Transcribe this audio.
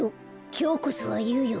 きょうこそはいうよ。